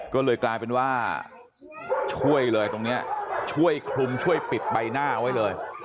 ก็เลยกลายเป็นว่าช่วยเลยตรงนี้ช่วยคลุมช่วยปิดใบหน้าไว้เลย